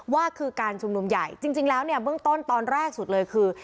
ว่าคือการชุมนุมใหญ่จริงแล้วเนี่ยเบื้องต้นตอนแรกสุดเลยคือ